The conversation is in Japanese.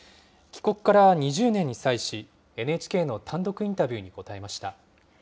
帰国から２０年に際し、ＮＨＫの単独インタビューに答えました。